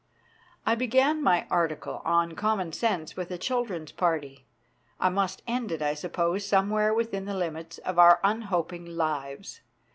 I began my article on common sense with a children's party ; I must end it, I suppose, somewhere within the limits of our unhoping lives.